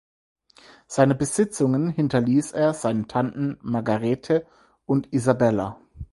Seine Besitzungen hinterließ er seinen Tanten Margarete und Isabella.